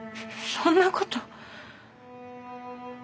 そんなこと。